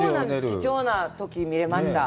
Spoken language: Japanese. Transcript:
貴重なときを見れました。